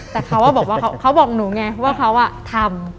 แต่เขาบอกว่าเขาบอกหนูไงว่าเขาทำ